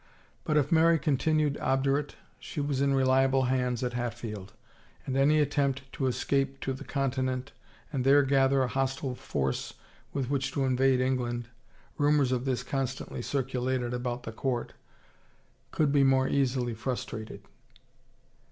But if Mary continued obdurate she was in reliable hands at Hatfield, and any attempt to escape to the continent and there gather a hostile force with which to invade Eng land — rumors of this constantly circulated about the court — could be more easily frustrated.